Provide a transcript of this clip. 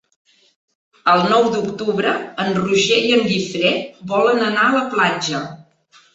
El nou d'octubre en Roger i en Guifré volen anar a la platja.